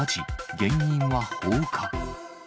原因は放火。